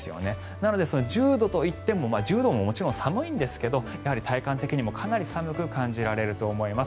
なので１０度といっても１０度ももちろん寒いんですがやはり体感的にも寒く感じられると思います。